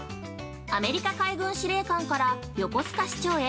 アメリカ海軍司令官から横須賀市長へ。